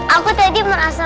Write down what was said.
aku tadi merasa